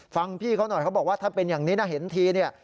ฟังพี่เขาหน่อยเขาบอกว่าถ้าเป็นอย่างนี้นะเห็นทีเนี่ย